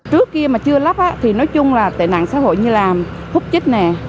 trước kia mà chưa lắp thì nói chung là tệ nạn xã hội như là hút chích nè